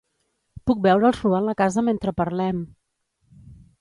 Puc veure'ls robant la casa mentre parlem!